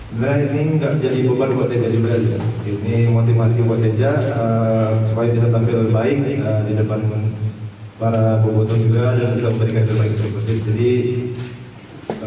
benar ini gak jadi beban buat teja juga ini motivasi buat teja supaya bisa tampil baik di depan para boboto juga dan bisa memberikan kebaikan untuk persib